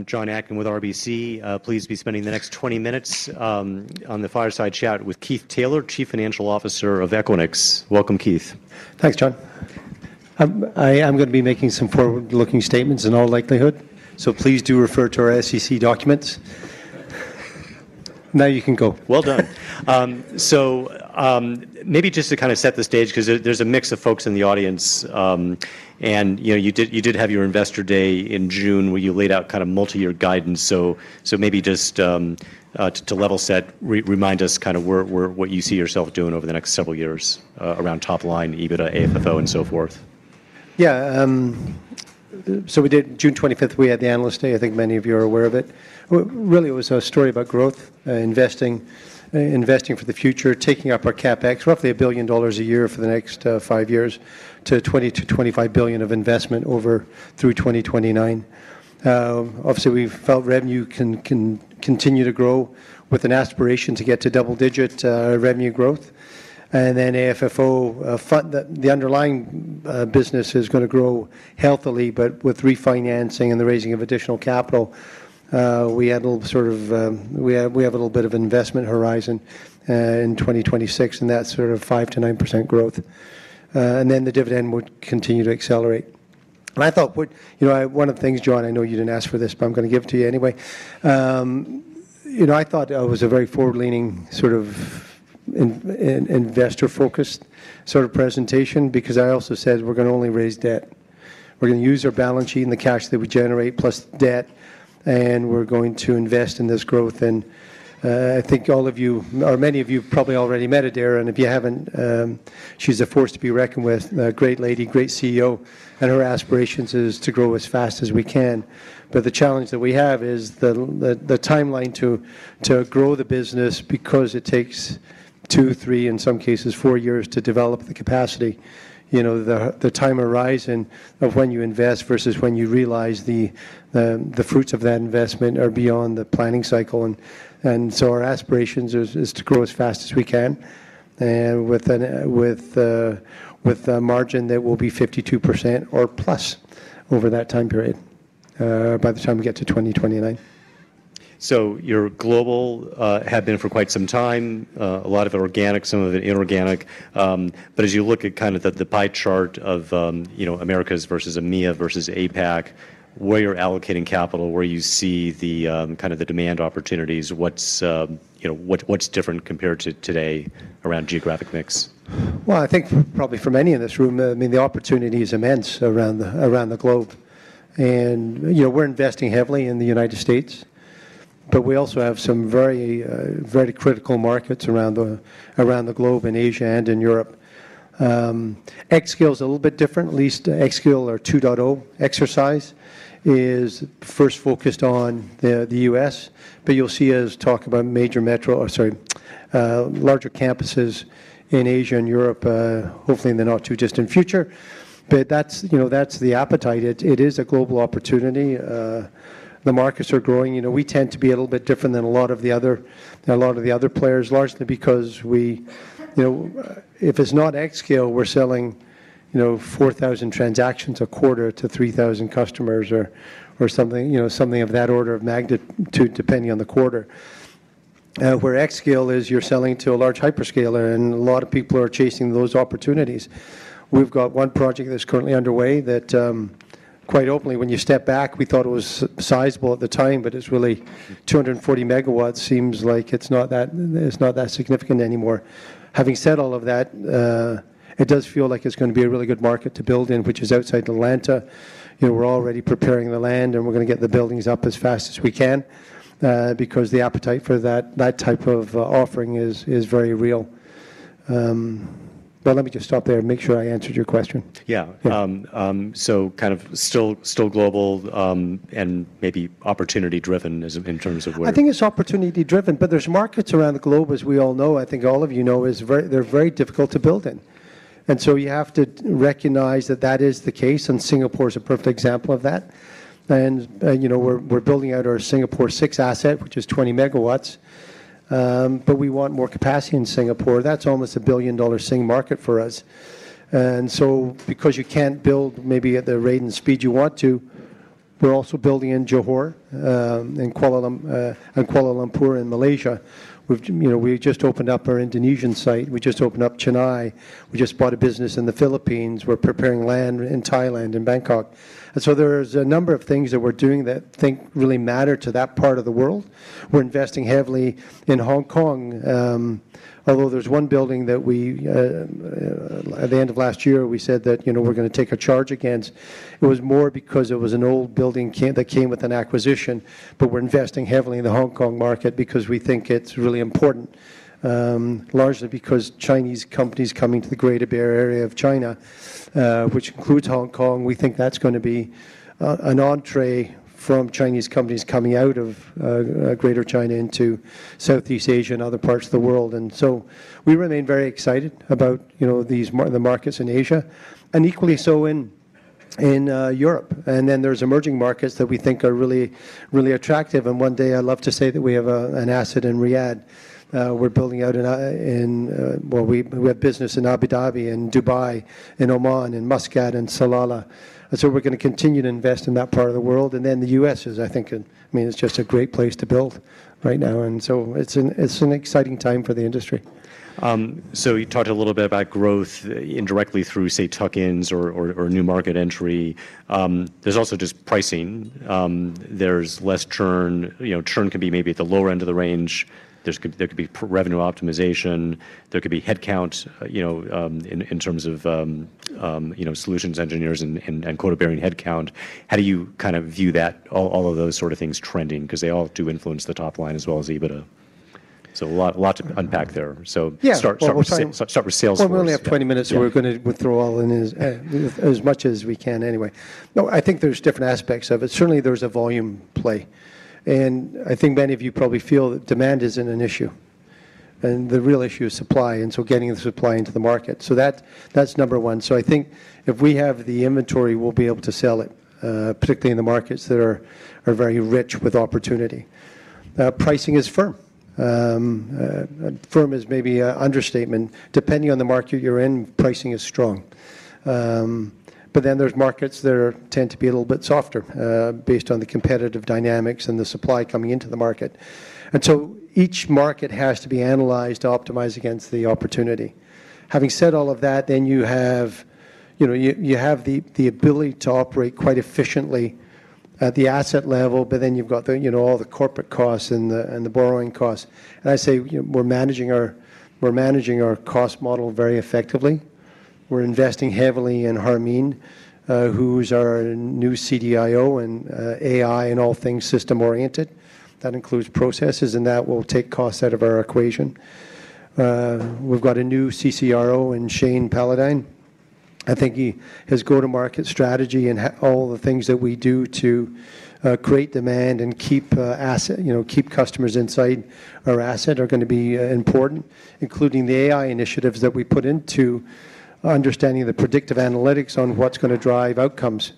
I'm John Aiken with RBC. Please be spending the next 20 minutes on the fireside chat with Keith Taylor, Chief Financial Officer of Equinix. Welcome, Keith. Thanks, John. I'm going to be making some forward-looking statements in all likelihood, so please do refer to our SEC documents. Now you can go. Maybe just to kind of set the stage, because there's a mix of folks in the audience, and you did have your Investor Day in June where you laid out kind of multi-year guidance. Maybe just to level set, remind us kind of what you see yourself doing over the next several years around top line, EBITDA, AFFO, and so forth. Yeah. We did June 25th, we had the Analyst Day. I think many of you are aware of it. It was a story about growth, investing for the future, taking up our CapEx, roughly $1 billion a year for the next five years, to $20 billion-$25 billion of investment through 2029. Obviously, we felt revenue can continue to grow with an aspiration to get to double-digit revenue growth. AFFO, the underlying business is going to grow healthily, but with refinancing and the raising of additional capital, we have a little bit of investment horizon in 2026, and that's sort of 5%-9% growth. The dividend would continue to accelerate. I thought one of the things, John, I know you didn't ask for this, but I'm going to give it to you anyway. I thought it was a very forward-leaning, investor-focused presentation because I also said we're going to only raise debt. We're going to use our balance sheet and the cash that we generate plus debt, and we're going to invest in this growth. I think all of you, or many of you probably already met Adaire, and if you haven't, she's a force to be reckoned with, a great lady, great CEO, and her aspiration is to grow as fast as we can. The challenge that we have is the timeline to grow the business because it takes two, three, in some cases, four years to develop the capacity. You know the time horizon of when you invest versus when you realize the fruits of that investment are beyond the planning cycle. Our aspiration is to grow as fast as we can with a margin that will be 52% or plus over that time period by the time we get to 2029. Your global had been for quite some time, a lot of it organic, some of it inorganic. As you look at kind of the pie chart of Americas versus EMEA versus APAC, where you're allocating capital, where you see kind of the demand opportunities, what's different compared to today around geographic mix? I think probably for many in this room, the opportunity is immense around the globe. We're investing heavily in the United States, but we also have some very, very critical markets around the globe in Asia and in Europe. xScale is a little bit different. At least xScale or 2.0 exercise is first focused on the United States, but you'll see us talk about major metro, or sorry, larger campuses in Asia and Europe, hopefully in the not too distant future. That's the appetite. It is a global opportunity. The markets are growing. We tend to be a little bit different than a lot of the other players largely because if it's not xScale, we're selling 4,000 transactions a quarter to 3,000 customers or something of that order of magnitude depending on the quarter. Where xScale is, you're selling to a large hyperscaler, and a lot of people are chasing those opportunities. We've got one project that's currently underway that quite openly, when you step back, we thought it was sizable at the time, but it's really 240 MW. Seems like it's not that significant anymore. Having said all of that, it does feel like it's going to be a really good market to build in, which is outside Atlanta. We're already preparing the land, and we're going to get the buildings up as fast as we can because the appetite for that type of offering is very real. Let me just stop there and make sure I answered your question. Yeah, still global and maybe opportunity-driven in terms of where. I think it's opportunity-driven, but there's markets around the globe, as we all know, I think all of you know, they're very difficult to build in. You have to recognize that that is the case, and Singapore is a perfect example of that. We're building out our Singapore SIG asset, which is 20 MW, but we want more capacity in Singapore. That's almost a $1 billion SIG market for us. Because you can't build maybe at the rate and speed you want to, we're also building in Johor and Kuala Lumpur in Malaysia. We just opened up our Indonesian site. We just opened up Chennai. We just bought a business in the Philippines. We're preparing land in Thailand and Bangkok. There's a number of things that we're doing that I think really matter to that part of the world. We're investing heavily in Hong Kong, although there's one building that at the end of last year we said that we're going to take a charge against. It was more because it was an old building that came with an acquisition, but we're investing heavily in the Hong Kong market because we think it's really important, largely because Chinese companies coming to the Greater Bay Area of China, which includes Hong Kong, we think that's going to be an entrée from Chinese companies coming out of Greater China into Southeast Asia and other parts of the world. We remain very excited about the markets in Asia and equally so in Europe. There are emerging markets that we think are really, really attractive. One day I'd love to say that we have an asset in Riyadh. We're building out in, we have business in Abu Dhabi, in Dubai, in Oman, in Muscat, and Salalah. We're going to continue to invest in that part of the world. The U.S. is, I think, I mean, it's just a great place to build right now. It's an exciting time for the industry. You talked a little bit about growth indirectly through, say, tuck-ins or new market entry. There's also just pricing. There's less churn. Churn can be maybe at the lower end of the range. There could be revenue optimization. There could be headcount in terms of solutions engineers and quota-bearing headcount. How do you kind of view that, all of those sort of things trending? They all do influence the top line as well as EBITDA. Lots to unpack there. Start with sales. We only have 20 minutes. We're going to withdraw all in as much as we can anyway. I think there's different aspects of it. Certainly, there's a volume play. I think many of you probably feel that demand isn't an issue. The real issue is supply, and getting the supply into the market. That's number one. I think if we have the inventory, we'll be able to sell it, particularly in the markets that are very rich with opportunity. Pricing is firm. Firm is maybe an understatement. Depending on the market you're in, pricing is strong. There are markets that tend to be a little bit softer based on the competitive dynamics and the supply coming into the market. Each market has to be analyzed to optimize against the opportunity. Having said all of that, you have the ability to operate quite efficiently at the asset level, but then you've got all the corporate costs and the borrowing costs. I say we're managing our cost model very effectively. We're investing heavily in Harmeen, who's our new CDIO, and AI and all things system-oriented. That includes processes, and that will take costs out of our equation. We've got a new CCRO in Shane Paladin. I think his go-to-market strategy and all the things that we do to create demand and keep customers inside our asset are going to be important, including the AI initiatives that we put into understanding the predictive analytics on what's going to drive outcomes.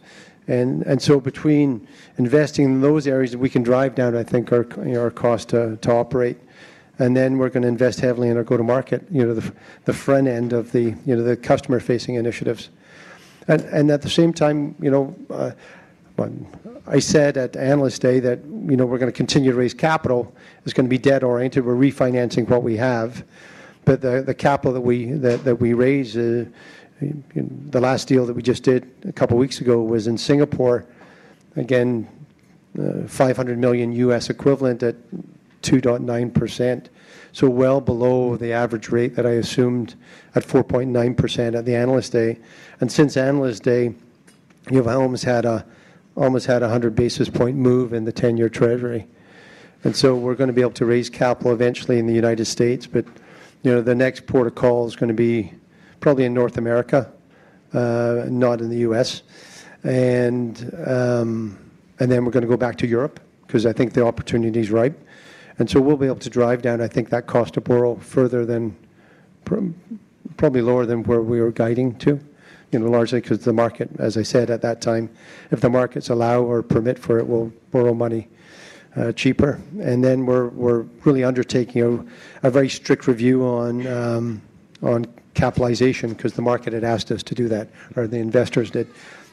Between investing in those areas, we can drive down, I think, our cost to operate. We're going to invest heavily in our go-to-market, the front end of the customer-facing initiatives. At the same time, I said at Analyst Day that we're going to continue to raise capital. It's going to be debt-oriented. We're refinancing what we have. The capital that we raised, the last deal that we just did a couple of weeks ago, was in Singapore. Again, $500 million U.S. equivalent at 2.9%. That's well below the average rate that I assumed at 4.9% at the Analyst Day. Since Analyst Day, we've almost had a 100 basis point move in the 10-year treasury. We're going to be able to raise capital eventually in the United States. The next port of call is going to be probably in North America, not in the U.S. We're going to go back to Europe because I think the opportunity is ripe. We will be able to drive down, I think, that cost to borrow further, probably lower than where we were guiding to, largely because the market, as I said at that time, if the markets allow or permit for it, we'll borrow money cheaper. We are really undertaking a very strict review on capitalization because the market had asked us to do that or the investors did.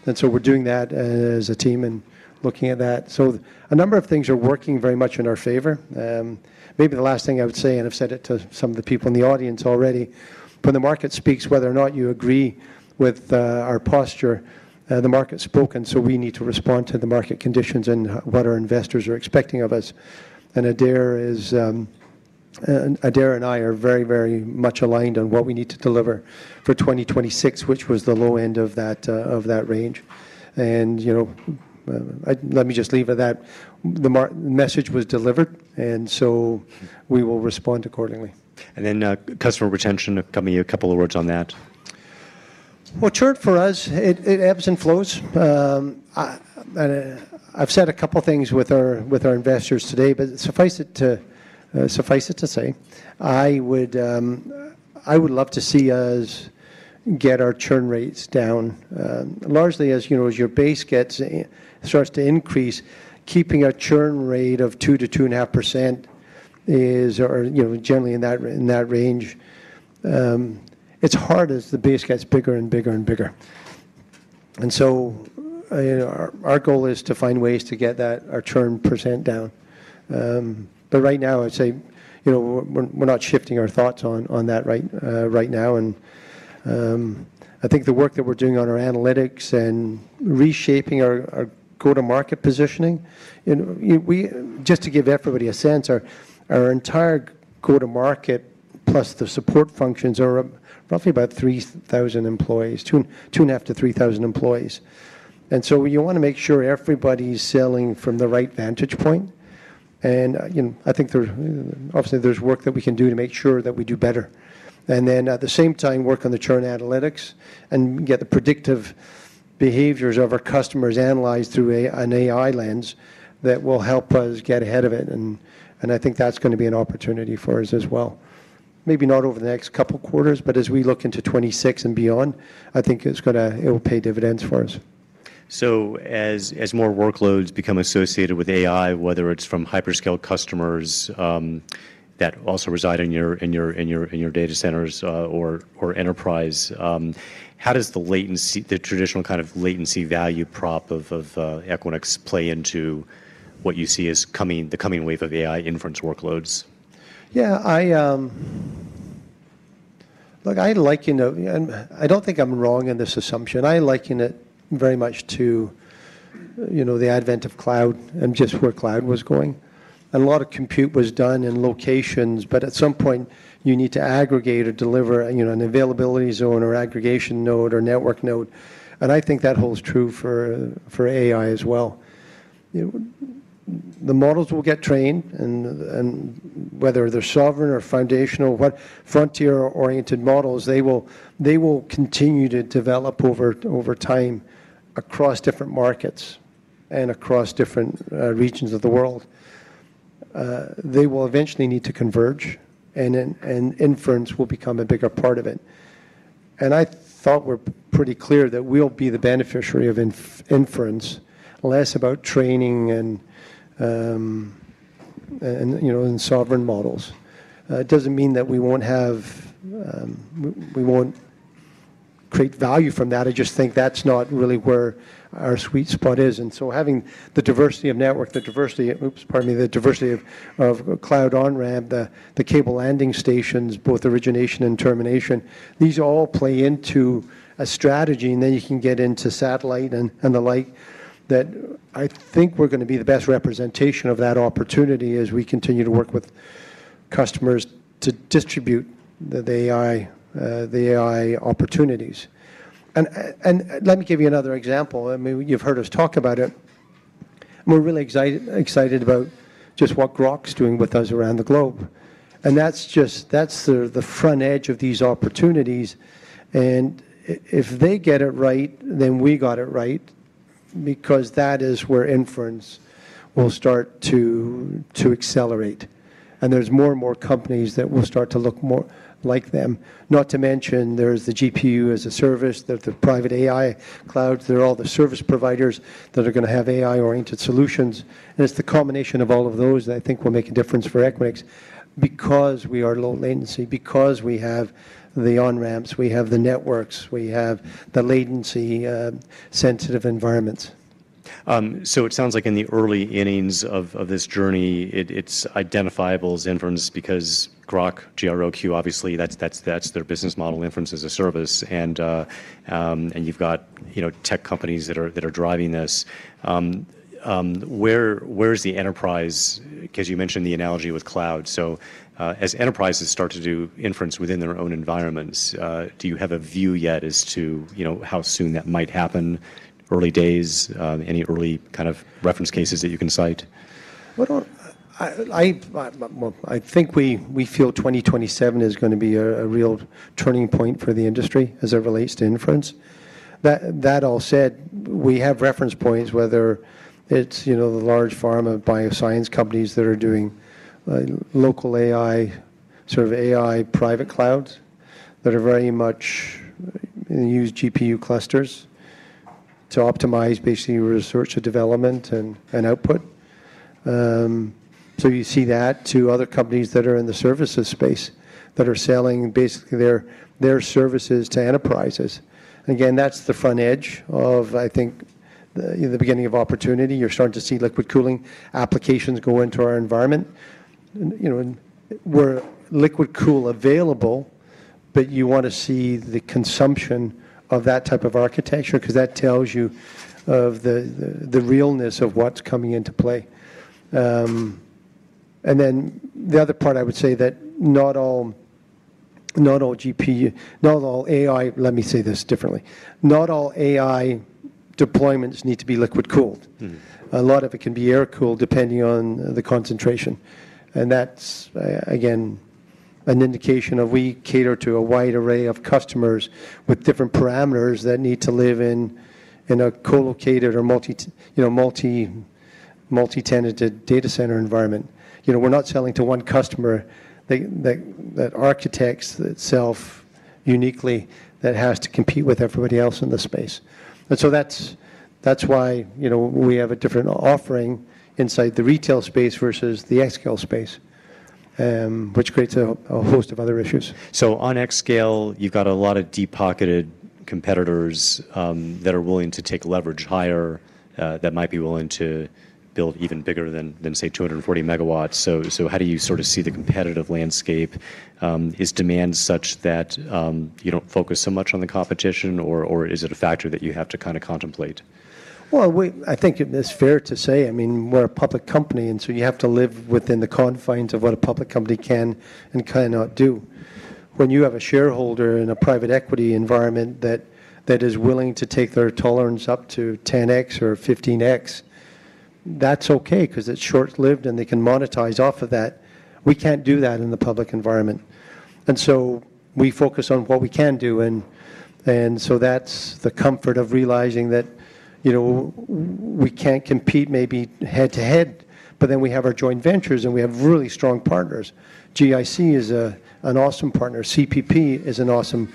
We are doing that as a team and looking at that. A number of things are working very much in our favor. Maybe the last thing I would say, and I've said it to some of the people in the audience already, when the market speaks, whether or not you agree with our posture, the market's broken. We need to respond to the market conditions and what our investors are expecting of us. Adaire and I are very, very much aligned on what we need to deliver for 2026, which was the low end of that range. Let me just leave it at that. The message was delivered, and we will respond accordingly. Customer retention, tell me a couple of words on that. Churn for us, it ebbs and flows. I've said a couple of things with our investors today, but suffice it to say, I would love to see us get our churn rates down. Largely, as your base starts to increase, keeping a churn rate of 2%-2.5% is generally in that range. It's hard as the base gets bigger and bigger and bigger. Our goal is to find ways to get our churn percent down. Right now, I'd say we're not shifting our thoughts on that right now. I think the work that we're doing on our analytics and reshaping our go-to-market positioning, just to give everybody a sense, our entire go-to-market plus the support functions are roughly about 3,000 employees, 2,500-3,000 employees. You want to make sure everybody's selling from the right vantage point. I think obviously there's work that we can do to make sure that we do better. At the same time, work on the churn analytics and get the predictive behaviors of our customers analyzed through an AI lens that will help us get ahead of it. I think that's going to be an opportunity for us as well. Maybe not over the next couple of quarters, but as we look into 2026 and beyond, I think it will pay dividends for us. As more workloads become associated with AI, whether it's from hyperscale customers that also reside in your data centers or enterprise, how does the traditional kind of latency value prop of Equinix play into what you see as the coming wave of AI inference workloads? Yeah. Look, I like, you know, I don't think I'm wrong in this assumption. I liken it very much to the advent of cloud and just where cloud was going. A lot of compute was done in locations, but at some point, you need to aggregate or deliver an availability zone or aggregation node or network node. I think that holds true for AI as well. The models will get trained, and whether they're sovereign or foundational, or frontier-oriented models, they will continue to develop over time across different markets and across different regions of the world. They will eventually need to converge, and inference will become a bigger part of it. I thought we're pretty clear that we'll be the beneficiary of inference, less about training and sovereign models. It doesn't mean that we won't create value from that. I just think that's not really where our sweet spot is. Having the diversity of network, the diversity, pardon me, the diversity of cloud on-ramp, the cable landing stations, both origination and termination, these all play into a strategy. You can get into satellite and the like, that I think we're going to be the best representation of that opportunity as we continue to work with customers to distribute the AI opportunities. Let me give you another example. You've heard us talk about it. We're really excited about just what Groq's doing with us around the globe. That's just the front edge of these opportunities. If they get it right, then we got it right because that is where inference will start to accelerate. There are more and more companies that will start to look more like them. Not to mention there's the GPU as a service, the private AI clouds, there are all the service providers that are going to have AI-oriented solutions. It's the culmination of all of those that I think will make a difference for Equinix because we are low latency, because we have the on-ramps, we have the networks, we have the latency-sensitive environments. It sounds like in the early innings of this journey, it's identifiable as inference because Groq, G-R-O-Q, obviously, that's their business model, inference as a service. You've got tech companies that are driving this. Where is the enterprise? You mentioned the analogy with cloud. As enterprises start to do inference within their own environments, do you have a view yet as to how soon that might happen? Early days? Any early kind of reference cases that you can cite? I think we feel 2027 is going to be a real turning point for the industry as it relates to inference. That all said, we have reference points whether it's the large pharma bioscience companies that are doing local AI, sort of AI private clouds that are very much in the used GPU clusters to optimize basically research and development and output. You see that to other companies that are in the services space that are selling basically their services to enterprises. Again, that's the front edge of, I think, the beginning of opportunity. You're starting to see liquid cooling applications go into our environment. We're liquid cool available, but you want to see the consumption of that type of architecture because that tells you of the realness of what's coming into play. The other part I would say is that not all AI, let me say this differently, not all AI deployments need to be liquid cooled. A lot of it can be air cooled depending on the concentration. That's, again, an indication of we cater to a wide array of customers with different parameters that need to live in a co-located or multi-tenanted data center environment. We're not selling to one customer that architects itself uniquely that has to compete with everybody else in the space. That's why we have a different offering inside the retail space versus the xScale space, which creates a host of other issues. On xScale, you've got a lot of deep-pocketed competitors that are willing to take leverage higher, that might be willing to build even bigger than, say, 240 MW. How do you sort of see the competitive landscape? Is demand such that you don't focus so much on the competition, or is it a factor that you have to kind of contemplate? I think it is fair to say, I mean, we're a public company, and you have to live within the confines of what a public company can and cannot do. When you have a shareholder in a private equity environment that is willing to take their tolerance up to 10x or 15x, that's OK because it's short-lived and they can monetize off of that. We can't do that in the public environment. We focus on what we can do. That's the comfort of realizing that we can't compete maybe head-to-head, but we have our joint ventures and we have really strong partners. GIC is an awesome partner. CPP is an awesome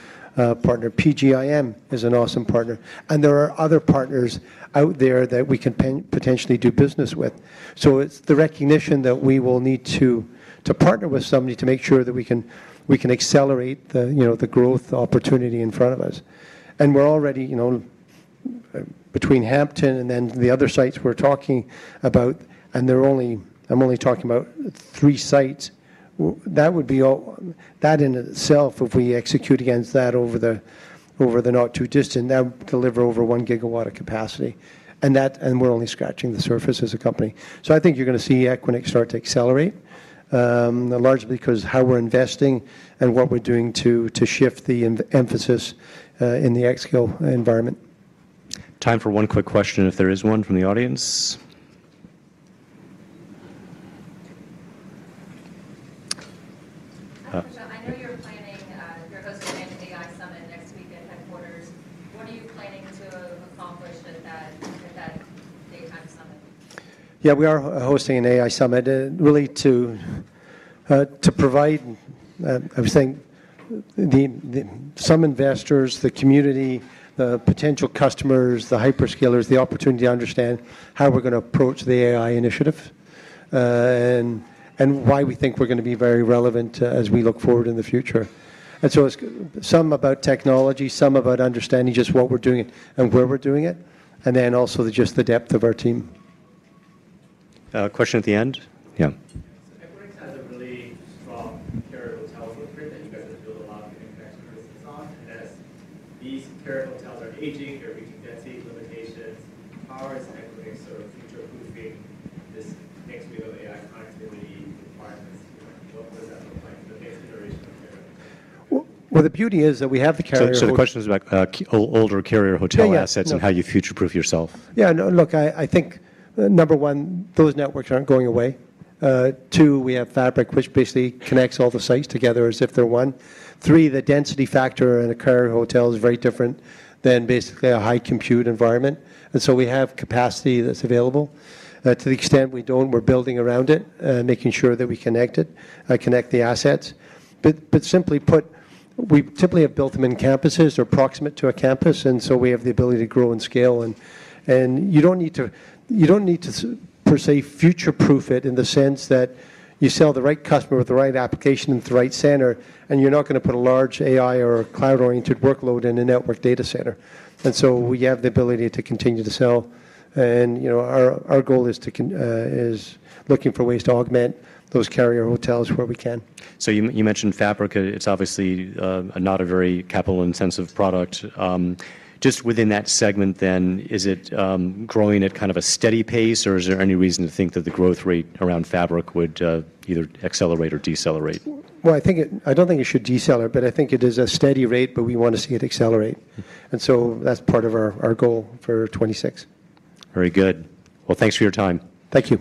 partner. PGIM is an awesome partner. There are other partners out there that we can potentially do business with.It's the recognition that we will need to partner with somebody to make sure that we can accelerate the growth opportunity in front of us. We're already between Hampton and then the other sites we're talking about, and I'm only talking about three sites. That would be all that in itself, if we execute against that over the not too distant, that would deliver over 1 GW of capacity. We're only scratching the surface as a company. I think you're going to see Equinix start to accelerate, largely because of how we're investing and what we're doing to shift the emphasis in the xScale environment. Time for one quick question, if there is one from the audience. I know you're planning, you're hosting an AI Summit next week in headquarters. What are you planning? Yeah, we are hosting an AI Summit really to provide some investors, the community, potential customers, the hyperscalers, the opportunity to understand how we're going to approach the AI initiative and why we think we're going to be very relevant as we look forward in the future. It's some about technology, some about understanding just what we're doing and where we're doing it, and then also just the depth of our team. Question at the end? Yeah. Carrier hotel is a good fit that you guys have built a lot of good investment business on. As these carrier hotel assets are aging, they're reaching their seed limitations. How are you going to sort of future-proof this entry of AI productivity requirements? What does that look like? The carriers are there. The beauty is that we have the carrier. The question is about older carrier hotel assets and how you future-proof yourself. Yeah, I think number one, those networks aren't going away. Two, we have Fabric, which basically connects all the sites together as if they're one. Three, the density factor in a carrier hotel is very different than basically a high compute environment. We have capacity that's available. To the extent we don't, we're building around it, making sure that we connect the assets. Simply put, we typically have built them in campuses or proximate to a campus. We have the ability to grow and scale. You don't need to per se future-proof it in the sense that you sell the right customer with the right application in the right center, and you're not going to put a large AI or cloud-oriented workload in a network data center. We have the ability to continue to sell. Our goal is looking for ways to augment those carrier hotels where we can. You mentioned Fabric. It's obviously not a very capital-intensive product. Just within that segment, is it growing at kind of a steady pace, or is there any reason to think that the growth rate around Fabric would either accelerate or decelerate? I don't think it should decelerate, but I think it is a steady rate, but we want to see it accelerate. That's part of our goal for 2026. Very good. Thank you for your time. Thank you.